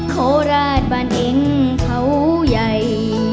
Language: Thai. ขอร้านบ้านเอ็งเขาใหญ่